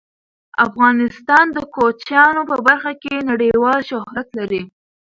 افغانستان د کوچیانو په برخه کې نړیوال شهرت لري.